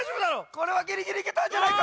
これはギリギリいけたんじゃないか。